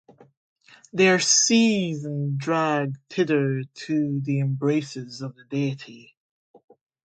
They are seized and dragged thither to the embraces of the deity.